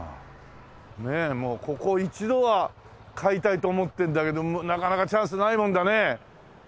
ねえもうここ一度は買いたいと思ってんだけどなかなかチャンスないもんだね。